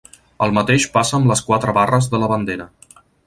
El mateix passa amb les quatre barres de la bandera.